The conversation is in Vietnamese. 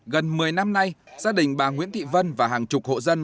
gần một mươi năm nay gia đình bà nguyễn thị vân và hàng chục hộ dân